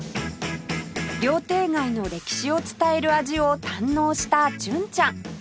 料亭街の歴史を伝える味を堪能した純ちゃん